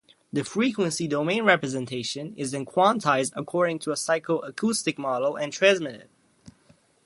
The frequency domain representation is then quantized according to a psycho-acoustic model and transmitted.